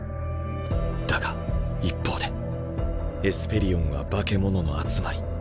だが一方でエスペリオンは化け物の集まり。